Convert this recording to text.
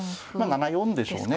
７四でしょうね。